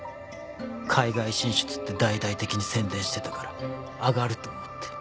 海外進出って大々的に宣伝してたから上がると思って。